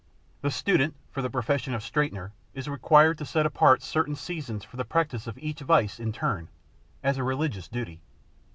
The student for the profession of straightener is required to set apart certain seasons for the practice of each vice in turn, as a religious duty.